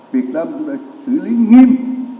việt nam đã xử lý nghiêm